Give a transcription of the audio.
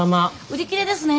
売り切れですね。